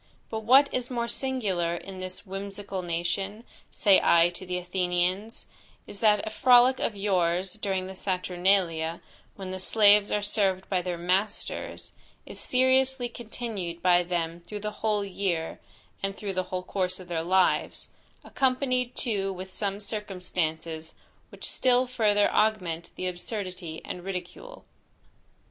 "But what is more singular in this whimsical nation, say I to the Athenians, is, that a frolic of yours during the Saturnalia, when the slaves are served by their masters, is seriously continued by them through the whole year, and through the whole course of their lives; accompanied too with some circumstances, which still further augment the absurdity and ridicule.